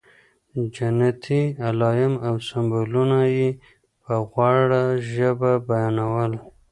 جنتي علایم او سمبولونه یې په غوړه ژبه بیانول.